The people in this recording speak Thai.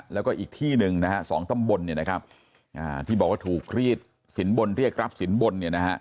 แล้วก็อีกที่หนึ่ง๒ตำบลที่บอกว่าถูกครีดสินบลเรียกรับสินบล